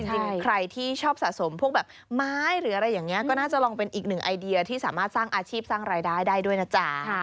จริงใครที่ชอบสะสมพวกแบบไม้หรืออะไรอย่างนี้ก็น่าจะลองเป็นอีกหนึ่งไอเดียที่สามารถสร้างอาชีพสร้างรายได้ได้ด้วยนะจ๊ะ